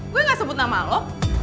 gue gak sebut nama lo